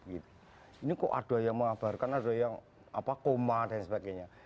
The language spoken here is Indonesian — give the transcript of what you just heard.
ini kok ada yang mengabarkan ada yang koma dan sebagainya